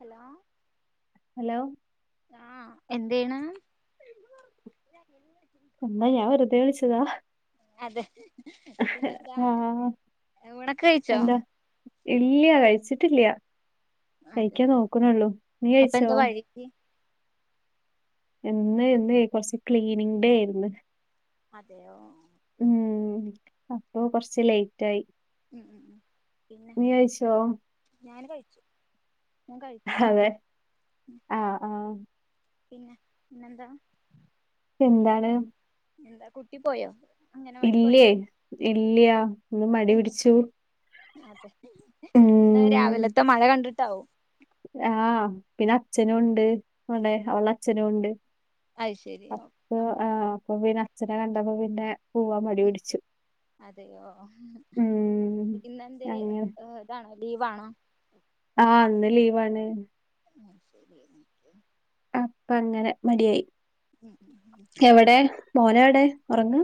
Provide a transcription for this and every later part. Hello hello ആഹ് എന്തേണ്? എന്നാ ഞാൻ വെറുതെ വിളിച്ചതാ. അതെ പിന്നെന്താ ആ ണ് ഊണക്കെ കഴിച്ചോ? എന്താ ഇല്ല കഴിച്ചിട്ടില്ല, അതെ കഴിക്കാൻ നോക്കുന്നുള്ളൂ നീ അപ്പൊ കഴിച്ചോ? [unintelligible] എന്ന് ഇന്ന് കുറച്ച് ക്ലീനിങ് ഡേ ആയിരുന്നു. അതെയോ. ഉം അപ്പൊ കൊറച്ച് ലേറ്റ് ആയി. ഉം ഉം ഉം പിന്നെ നീ കഴിച്ചോ ഞാൻ കഴിച്ചു ഞാൻ കഴിച്ചു. അതെ ആ ആ പിന്നെ പിന്നെന്താ എന്താണ്‌ എന്താണ് എന്താ കുട്ടി പോയോ? അങ്ങനവാടി ഇല്ലേ പോയോ ഇല്ല്യാ ന്ന് മടി എന്ത് പിടിച്ചൂ.. അതെ ഉം ഇന്ന് രാവിലത്തെ മഴ കണ്ടിട്ടാവും. ആഹ് പിന്നെ അച്ഛനും ഉണ്ട് വടെ അവളച്ഛനുംണ്ട്. അയി ശരി ഓ.. ആഹ് അപ്പൊ പിന്നെ അച്ഛനെ കണ്ടപ്പോ പിന്നെ, പോവാൻ മടി ഉം പിടിച്ചു അതെയോ ഉം ഇന്നെന്തേ അങ്ങനെ ഇതാണോ ലീവ് ആണോ.. ആഹ് അന്ന് ലീവാണ്. ഉം ശരി [unintelligible] അപ്പങ്ങനെ മടിയായി. ഉം ഉം ഉം എവിടെ മോന എവിടെ ഉറങ്ങ?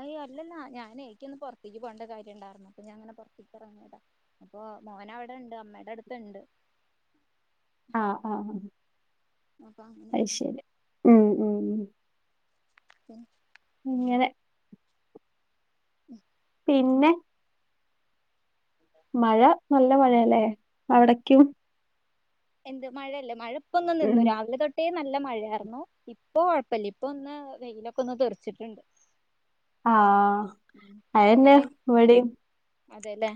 അയ് അല്ലല്ല ഞാനെ നിക്ക് ഒന്ന് പുറത്തേക്ക് പോകേണ്ട കാര്യംണ്ടായിരുന്നു അപ്പൊ ഞാ അങ്ങനെ പുറത്തേക്ക് ഇറങ്ങിയതാ. അപ്പൊ മോൻ അവിടെ ഉണ്ട് അമ്മയുടെ അടുത്ത്ണ്ട്. ആഹ് ആഹ് അപ്പൊ അങ്ങനെ അയ് ശരി ഉം ഉം ഉം [unintelligible] ഇങ്ങനെ ഉം പിന്നെ മഴ നല്ല മഴയല്ലേ അവിടക്കും എന്ത് മഴയല്ലേ മഴപ്പൊന്ന ഉം നിന്നു രാവിലെ തൊട്ട് [unintelligible] നല്ല മഴായിരുന്നു ഇപ്പൊ കുഴപ്പമില്ല ഇപ്പ ഒന്ന് വെയിലൊക്കെ ഒന്ന് തെറിച്ചിട്ടുണ്ട് ആഹ് ഉം അതെന്നെ ഞാന് ഇവിടെ അതെല്ലേ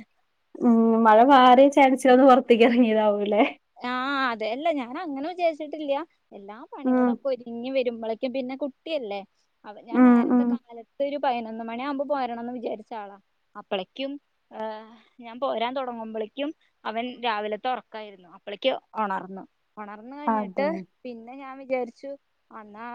ഉം മഴ മറ്റേ മാറി ചാടിച്ച വന്ന് പുറത്തേക്ക്റങ്ങിയതാവൂല്ലേ അഹ് അതെ അല്ല ഞാന അങ്ങനെ വിചാരിച്ചിട്ടില്ല എല്ലാ ഉം പണികളൊക്കെ ഒരിക് ഇങ്ങി വരുമ്പോളേക്കും പിന്നെ കുട്ടിയല്ലേ അവ ഞാൻ ഉം നേരത്തെ ഉം കാലത് ഒരു പതിനൊന്ന് മണിയാകുമ്പോ പോരണംന്ന് വിചാരിച്ച ആളാ അപ്പളേക്കും ഏയ് ഞാൻ പോരാൻ തുടങ്ങുമ്പോഴേക്കും അവൻ രാവിലത്തെ ഉറക്കായിരുന്നു ഇപ്പോളേക്ക് ഉണർന്നു ഉണർന്നു കഴിഞ്ഞിട്ട് അതെ പിന്നെ ഞാൻ വിചാരിച്ചു അന്നാ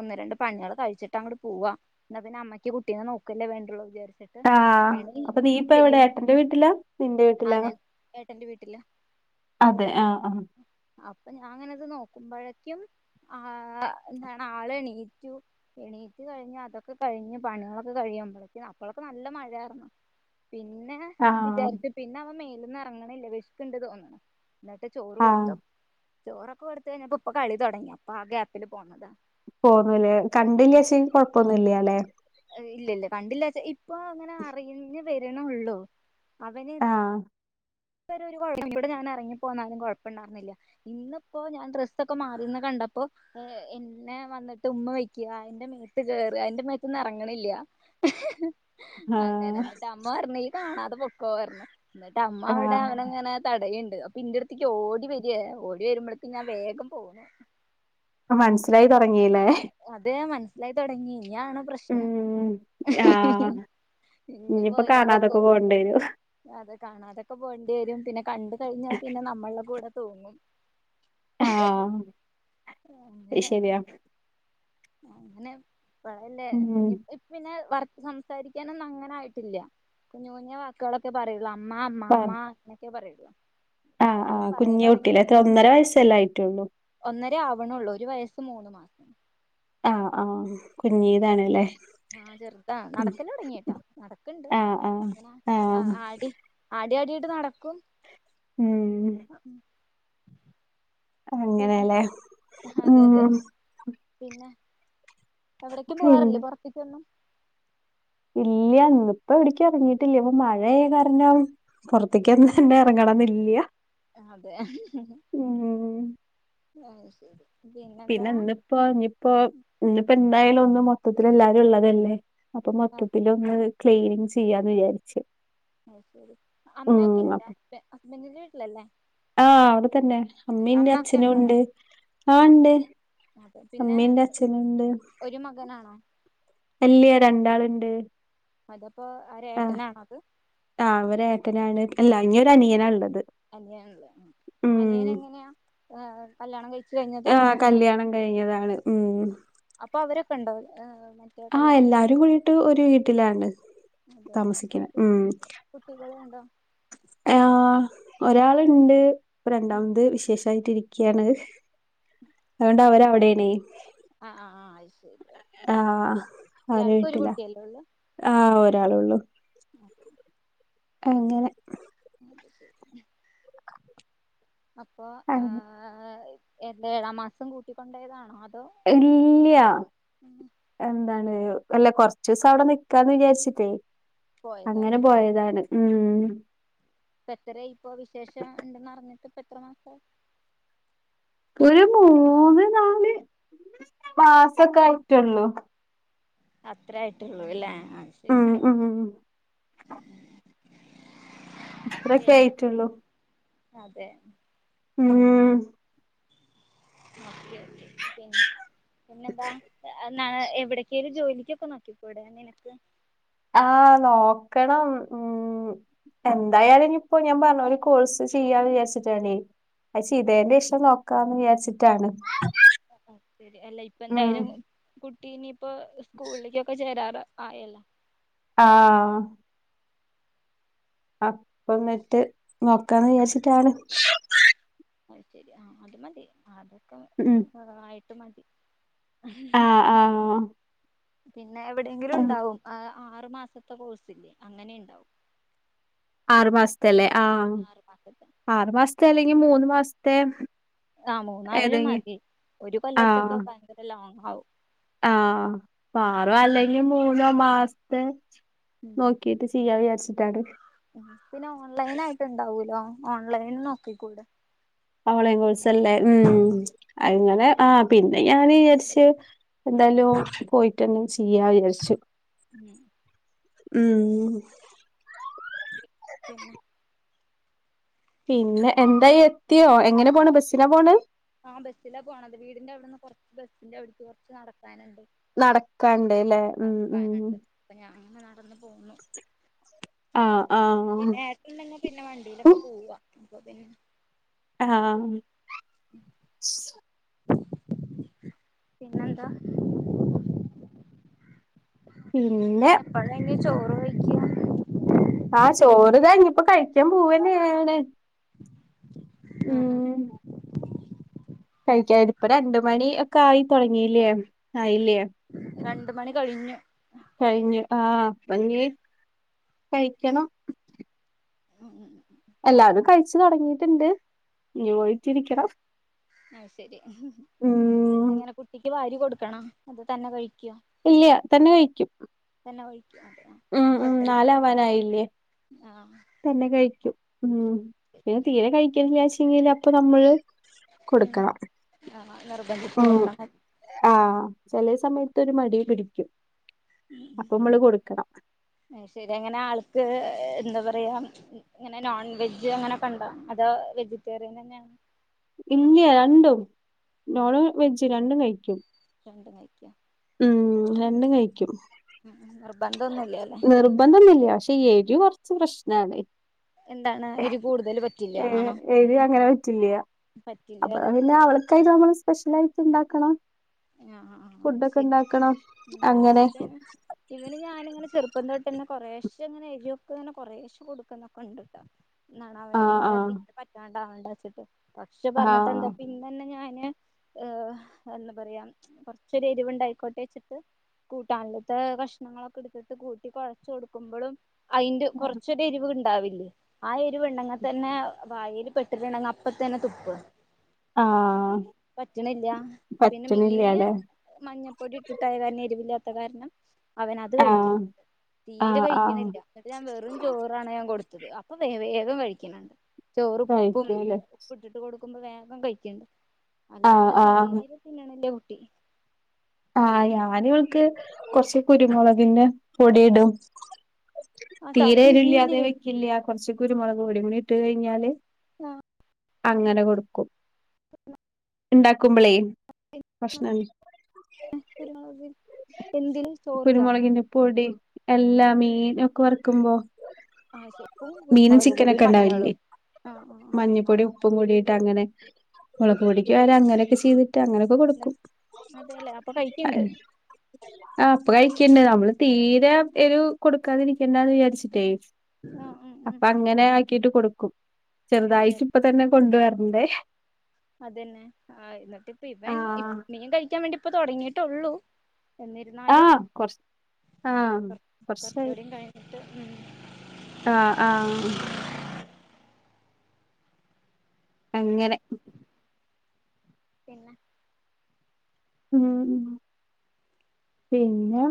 ഒന്ന് രണ്ട് പണികള് കഴിച്ചിട്ട് അങ്ങോ പോവാ എന്നാ പിന്നെ അമ്മയ്ക്ക് കുട്ടീ നോക്കല്ലേണ്ടുള്ളൂ വിചാരിച്ചത് ആഹ് അപ്പൊ നീ ഇപ്പ എവിടെ ഏട്ടന്റെ വീട്ടിലാ നിന്റെ ആഹ് വീട്ടിലാ ഞാൻ ഏട്ടന്റെ വീട്ടില് അതെ ആഹ് ആഹ് അപ്പൊ ഞാൻ അങ്ങനെത് നോക്കുമ്പോഴേക്കും ആഹ് എന്താണ് ആള് എണീറ്റു എണീറ്റ് കഴിഞ് അതൊക്കെ കഴിഞ്ഞ് പണികളൊക്കെ കഴിയുമ്പളെയ്ക്ക് അപ്പോളൊക്കെ നല്ല മഴാര്ന്നു പിന്നെ ആ ആ വിചാരിച്ചു. പിന്നെ അവ മേല്ന്ന റങ്ങ്ണില്ല. വിഷ്ക്ക്ണ്ട് തോന്ന്ണം എന്നട്ട് ചോറ് ആ കൊടുത്തു. ചോറൊക്കെ കൊടുത്ത കെഴിഞ്ഞപ്പോ ഇപ്പൊ കളി തൊടങ്ങി അപ്പ ആ ഗ്യാപ്പിൽ പോന്നതാ പോന്നുലേ കണ്ടില്ലാച്ചെങ്കി കൊഴപ്പൊന്നുല്ല ല്ലേ ഇല്ല ഇല്ല കണ്ടില്ലാച്ച് ഇപ്പൊ അങ്ങനെ അറിഞ്ഞ് വര്ണൊള്ളൂ അവന് ആഹ് ഇപ്പ [unintelligible] ഒരു കൊഴപ്പ [unintelligible] ടെഞാൻ എറങ്ങിപ്പോന്നാലും കൊഴപ്പ ഇണ്ടാവുന്നില്ല ഇന്ന്പ്പോ ഞാൻ ഡ്രസ്സൊക്കെ മാറിന്ന് കണ്ടപ്പോ ഏ എന്നെ വന്നിട്ട് ഉമ്മ വക്ക്യ. ഇന്റെ മേത്ത് കേറ എന്റെ മേത്ത്ന്ന് എറങ്ങണില്ല അങ്ങനെ ആഹ് ഇന്നട്ട് അമ്മ പറഞ്ഞ് ഈ കാണാതെ പൊക്കൊ പറ്ഞ്ഞ്. ഇന്നട്ട് അമ്മ അവിടെ ആഹ് അവനങ്ങനെ തട ഇണ്ട്. അപ്പൊ ഇന്റെട്ത്ത്ക്ക് ഓടി വര. ഓടി വരുമ്പളെത്തേ ഞാൻ വേഗം പോന്ന് മനസ്സിലായി തൊടങ്ങീല്ലേ അതെ മനസ്സിലായിതൊടങ്ങി ഇനാണ് പ്രശ് [inaudible] ന ഉം ആഹ് ഇനി ഇഞ്ഞിപ്പോ പോരുമ്പോ പോ കാണാതൊക്കെ പോണ്ടിരും അതെ കാണാതൊക്കെ പോണ്ട്യേരും പിന്നെ കണ്ട് കഴിഞ്ഞാൽ പിന്നെ നമ്മള്ടെ കൂടെ തൂങ്ങും ആഹ് അത് അങ്ങനെ ശെരിയാ അങ്ങനെ പഴല്ലേ ഉം ഇനി പിന്നെ വറ് സംസാരിക്കാനൊന്നു അങ്ങനെ ആയിട്ടില്ല [unintelligible] റ്റോളൊക്കെ പറയൊള്ളൂ. അമ്മ അമ്മ അമ്മ ആഹ് അങ്ങനൊക്കെ പറയൊള്ളു ആഹ് ആഹ് കുഞ്ഞു കുട്ടില്ലേ എത്ര ഒന്നര വയസ്സെല്ല ആയിട്ടൊള്ളു ഒന്നര ആവ്ണൊള്ളൂ. ഒരു വയസ്സും മൂന്ന് മാസം ആഹ് ആഹ് കുഞ്ഞീതാണ്ലെ ആഹ് ചെറ്താ നടക്കല് തൊടങ്ങിട്ടാ നടക്ക്ണ്ട് ആഹ് ആഹ് അങ്ങനെ ആഹ് ആടി ആടി ആടിയിട്ട് നടക്കും ഉം അഹ് ഉം അങ്ങനെല്ലേ അതെ അതെ ഉം അതെ പിന്നെ എവിടേക്കും പിന്നെ പോവാറില്ലേ പൊറത്ത്ക്കൊന്നും ഇല്യ ഇപ്പ എവിട്ക്കു എറങ്ങിട്ടില്ല ഇപ്പ മഴ ആയ കാര്ണം പൊറത്തേക്ക് എന്ന് തന്നെ എറങ്ങെണന്നില്ല്യ അതെ ഉം ആത് [unintelligible] ശരി [unintelligible] പിന്നെ ഇന്നിപ്പോ ഇഞ്ഞിപ്പോ ഇന്ന് ഇപ്പ എന്തായാലും ഒന്ന് മൊത്തത്തില് എല്ലാരും ഒള്ളതെല്ലേ അപ്പൊ അത് മൊത്തത്തില് ഒന്ന് ക്ലീനിങ് ചെയ്യാന്ന് വിചാരിച്ച് അത് ശരി. ഉം അമ്മേക്കില്ലേ അപ്പൊ [unintelligible] ഹസ്ബന്റിന്റെ വീട്ടിലല്ലേ ആഹ് അവിടെ തന്നെ അമ്മീ അതെ ണ്ട് അമ്മ ഒക്കെ അച്ഛനും ഉണ്ടോ ഇണ്ട് ആഹ് ഓക്കെ ഇണ്ട് അതെ പിന്നെ അമ്മീണ്ട് അച്ഛനുണ്ട് ഒരു മകനാണോ അല്യ രണ്ടാള്ണ്ട് അതപ്പോ ആര ഏട്ടനാണോ അത് ആഹ് അവരേട്ടനാണ്. ഇല്ല ഇനിയൊര് അനിയനാ ഇള്ളത് അനിയന് ഇള്ളെ. ഉം അനിയൻ എങ്ങെനാ ഏഹ് കല്യാണം കഴിച്ചു കഴിഞ്ഞതാ ആഹ് അല്ലേ കല്യാണം കഴിഞ്ഞതാണ് ഉം അപ്പൊ അവരൊക്കെ ഇണ്ടൊ [unintelligible] ആഹ് എല്ലാരും കൂടിട്ട് ഒരു വീട്ടിലാണ് [unintelligible] അതല്ലേ താമസിക്ക്ണെ കുട്ടി ഉം കുട്ടികൾ ഉണ്ടോ ആഹ് ഒരാളുണ്ട് ഇപ്പ ഉം രണ്ടാമത്തെത് വിശേഷം ണ്ടായിട്ടിരിക്യാണ് അതുകൊണ്ട് അവര് അവിടെണെ ആഹ് ആഹ് ആഹ് അത് ശരി ഓക്കേ ആഹ് അവരെ വീട്ടിലആഹ് ഒരാളെഉള്ളു ഓക്കെ അങ്ങനെ അത് ശരി [unintelligible] അപ്പോ അങ്ങ ആഹ് ഏഴാം മാസം കൂട്ടിക്കൊണ്ടതാണോ അതോ ഇല്യ എന്താണ് അല്ല കൊച്ച്സം അവിടെ നിക്കാന്ന് വിചാരിച്ചിട്ടേ പോയതോ അങ്ങനെ അല്ലേ പോയതാണ് ഉം ഇപ്പ എത്രേയി ഇപ്പൊ വിശേഷം ഉണ്ടന്ന്റിഞ്ഞിട്ട് ഇപ്പ എത്ര മാസായി ക്ക് പിന്നെ ഒരു മൂന്ന് നാല് മാസൊക്കെ ആയിട്ടുള്ളൂ അത്ര ആയ്ട്ടുള്ളൂ അല്ലേ അത് ശരി ഉം ഉം അത്രക്കെ പിന്നെ ആയിട്ടുള്ളൂ അതെ ഉം ഓകെ ഓകെ പിന്നെ പിന്നെന്താ ന്നാണ് എവിടക്കെ ഒരു ജോലിക്കൊക്കെ നോക്കികൂടെ നിനക്ക് ആഹ് നോക്കണം ഉം എന്തായാലും ഇനി ഇപ്പോ ഞാൻ പറഞ്ഞു ഒരു കോഴ്സ് ചെയ്യാന്ന് വിചാരിച്ചിട്ടണ്ടി അത് ചെയ്തെന്റെ ശേഷം നോക്കാന്ന് വിചാരിച്ചിട്ടാണ് ആഹ് ശരി അല്ല ഇപ്പ ഉം എന്തായാലും കുട്ടി നിപ്പോ സ്കൂളിലേക്കൊക്കെ ചേരാറ് ആയല്ല ആഹ് അപ്പ എന്നിട്ട് നോക്കാന്ന് വിചാരിച്ചിട്ടാണ് അത് ശരി ആഹ് അത് മതി ഉം അതൊക്കെയി വരവായി ട്ട് മതി ആ ആ പിന്നെ എവിടെങ്കിലും ഉം. ഉണ്ടാവും ആഹ് ആറു മാസത്തെ കോഴ്സില്ലേ അങ്ങനെ ഉണ്ടാവും ആറുമാസത്തെ അല്ലേ ആഹ് ആറു മാസത്തെ ആറു മാസത്തെ അല്ലെങ്കി മൂന്ന് മാസത്തെ ആഹ് മൂന്നായാലും ഏതെങ്കിലും മതി ഒരു കൊല്ലത്തൊക്കെ ഭയങ്കര ലോങ് ആകും ആഹ് ആറോ അല്ലെങ്കി മൂന്നോ മാസത്തെ ഉം നോക്കിട്ട് ചെയ്യാ വിചാര്ച്ച്ട്ടാണ്. പിന്നെ ഓൺലൈൻ ആയിട്ട് ഉണ്ടാവൂലോ ഓൺലൈൻ നോക്കിക്കൂടെ? ഓൺലൈൻ കോഴ്സ് അല്ലെ ഉം അങ്ങനെ. ആഹ്‌ പിന്നെ ഞാന് വിചാരിച്ച് എന്തായാലും പോയിട്ടെന്നെ ചെയ്യാ വിചാര്ച്ചു. ഉം ഉം. പിന്നെ. പിന്നെ എന്തായി. എത്യോ എങ്ങനെ പോണ് ബസിന പോണ്? ആഹ് ബസ്സില പോണത് വീടിന്റെ അവിടെന്ന് കൊറച്ച് ബസ്സിന്റെ അവിടക്ക് കൊർച്ച് നട്ക്കാനൊള്ളൂ. നട്ക്കാണ്ട് ല്ലേ? നടക്കാന്ണ്ട് അപ്പൊ ഞാൻ ങ്ങനെ നടന്ന് പോന്നു. ആഹ്‌ ആഹ്‌. ഇല്ലെങ്കി പിന്നെ വണ്ടിലൊക്കെ പോവ്വാ അപ്പം പിന്നെ. അത് ആഹ്‌ പിന്നെന്താ? പിന്നെ. ഇനി എപ്പഴാ ഞ്ഞി ചോറ് വെയ്ക്ക്യ? ആഹ് ചോറ് കയിഞ്ഞ് പ്പോ കഴിക്കാൻ പോവന്നെണ്. ഉം. ഇപ്പ രണ്ട് മണി ഒക്കെ ആയി തുടങ്ങില്ല ആയില്ലേ രണ്ട് മണി കഴിഞ്ഞു. കഴിഞ്ഞു ആഹ് പ്പഞ്ഞീ കഴിക്കണം. ഉം ഉം. എല്ലാരും കഴിച്ച് തുടങ്ങിയിട്ടുണ്ട് ഇനി പോയിട്ടിരിക്കണം. ആഹ് ശരി ഉം എങ്ങനെ കുട്ടിക്ക് വാരി കൊടുക്കണോ അത് തന്നെ കഴിക്കോ? ഇല്ല്യ തന്നെ കഴിക്കും. തന്നെ കഴിക്കും അതെ ആഹ് ഉം അപ്പൊ ഉം കൊഴപ്പല്ല നാലാവാനായില്ലേ ആഹ്‌. തന്നെ കഴിക്കും ഉം പിന്നെ തീരെ കഴിക്ക് ല്ലാച്ചങ്കില് അപ്പൊ നമ്മള്. ഉം കൊടുക്കണം ആഹ് ഇഞർ നിർബന്ധിച്ച് ഉം കൊടുക്കണം ആഹ് ചെലെ സമയത്തൊരു മടി പിടിക്കും അപ്പൊ മ്മള് കൊട്ക്കണം. ഏഹ് ശരി അങ്ങനെ ആൾക്ക് എന്താ പറയാ. ങ്ങനെ നോൺ വെജ് അങ്ങനെക്കണ്ടോ അതോ വെജിറ്റേറിയൻ തന്നെ ഇല്ല്യാ രണ്ടും നോണും വെജും രണ്ടും കഴിക്കും. രണ്ടും കയ്ക്കോ? ഉം രണ്ടും കഴിക്ക്യും. ഉം നിർബന്ധോന്നൂല്ല്യാലെ? നിർബന്ധോന്നൂല്ല്യ പക്ഷെ ഏരു കൊർച്ച് പ്രശ്നാണ്. എന്താണ് എരിവ് കൂടുതൽ പറ്റില്ല ഏഹ് എന്നാണോ എരു അങ്ങനെ പറ്റൂല. പറ്റില്ല അപ്പ അല്ലെ പിന്നാ അവൾക്കായിട്ട് നമ്മള് സ്പെഷ്യൽ ആയിട്ട് ഇണ്ടാക്കണം. ആഹ് ആഹ് അത് ശരി ഫുഡൊക്കെ ഇണ്ടാക്കണം ഉം അങ്ങനെ. ഇവന് ഇവന് ഞാനിങ്ങനെ ചെർപ്പം തൊട്ട് തന്നെ കൊറേശെ ങ്ങനെ എരൊക്കെങ്ങനെ കൊറേശെ കൊടുക്കുന്നൊക്കെ ണ്ട്ട്ടോ. ആഹ് ആഹ് [unintelligible] പറ്റാണ്ടാവണ്ട വെച്ചിട്ട് പക്ഷെ പറഞ്ഞിട്ട് എന്താ പി ആഹ് തന്നെ ഞാന് ഏഹ്‌ എന്താ പറയാ കൊർച്ചൊരു എരിവ്ണ്ടായിക്കോട്ടെ വച്ചിട്ട്. കൂട്ടാൻലത്തെ കഷ്ണങ്ങളൊക്കെ ട്ത്തിട്ട് കൂട്ടി കൊഴച്ച് കൊടുക്കുമ്പഴും അയിന്റെ കൊർച്ച്. എരിവ് ഇണ്ടാവില്ലേ? ആ എരിവ്ണ്ടെങ്ക തന്നെ വായേല് പെട്ട്ട്ട്ണ്ടെങ്ക അപ്പ തന്നെ തുപ്പ. ആഹ്‌ പറ്റണില്ല പ പിന്നെ മീന് മഞ്ഞൾപ്പൊടി ഇട്ടിട്ടായ കാരണം എരിവ് ലാത്ത കാരണം. അവൻ അത് കഴിക്കും ആഹ് തീരെ ആഹ് ആഹ് കഴിക്കുണില്ല ന്നട്ട് ഞാൻ വെറും ചോറാണ് ഞാൻ കൊട്ത്തത്. അപ്പ വേഗം കഴിക്കുന്നുണ്ട് ചോർ പ്പും കഴിക്കൂല്ലേ ഇട്ടിട്ട് കൊടുക്കുമ്പോ വേഗം കഴിക്കണ്ട് ആഹ് അല്ലാണ്ട് ആഹ് തീരെ തിന്നിണില്ല കുട്ടി ആഹ് ഞാന അവൾക്ക് കുറച്ച കുരുമുളക് പൊടി ഇടും അതാ തീരെ പിരിയില്ലേ എരുല്ലാതെ വെക്കില്ല കുറച്ച ക്കൂരു മുളക് പൊടിമണി ഇട്ട് കഴിഞ്ഞാല് ആഹ് അങ്ങനെ കൊടുക്കും ഉ ഉണ്ടാക്കുമ്പോളേ പ്രശ്ന ആ കുരുമുളകിന്റെ പൊടി എല്ലാ മീന ഒക്കെ വറക്കുമ്പോ ആശെപ്പും കുരുമുളക് പൊടിയും മഞ്ഞളും ആ ആ ആ മഞ്ഞിപ്പൊടി ഉപ്പും കൂടിയിട്ട് അങ്ങനെ മുളക് പൊടിക്ക വരെ അങ്ങനെയൊക്കെ ചെയ്തിട്ട് അങ്ങനെ ഇപ്പം കൊടുക്കും അതെല്ലേ അപ്പൊ കഴിക്കണ്ട് ആഹ് ആ ഇപ്പൊ കഴിക്കണ്ടേ നമ്മള് തീരെ ഒരു കൊടുക്കാതിരിക്കണ്ടന്ന് വിചാരിച്ചിട്ടേ ഉം ഉം ഉം അപ്പൊ അങ്ങനെ ആക്കിട്ട് കൊടുക്കും അതെ ചെറുതായിട്ട് ഇപ്പ തന്നെ കൊണ്ട വരണ്ടേ അതന്നെ ആഹ് എന്നിട്ട് ഇപ്പ ഇവൻ ഇ ആഹ് മീൻ കഴിക്കാൻ വേണ്ടി ഇപ്പ തുടങ്ങിയിട്ടള്ളു എന്നിരുന്നാലും ആഹ് കൊറച്ച് ആഹ് കൊറച്ചായി കുറച്ചുകൂടിയും കഴിഞ്ഞിട്ട് ഉം ആഹ് ആഹ് അങ്ങനെ പിന്നെ ഉം പിന്നെ